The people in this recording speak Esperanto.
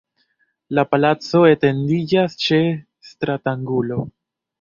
La palaco etendiĝas ĉe stratangulo.